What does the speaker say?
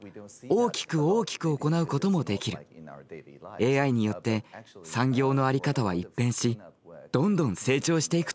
ＡＩによって産業のあり方は一変しどんどん成長していくと思います。